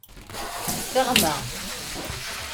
S teɣma.